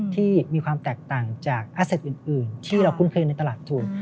ที่มีความแตกต่างจากอาเซ็ตอื่นที่เราคุ้นเคยในตลาดทุน